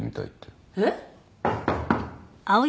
えっ？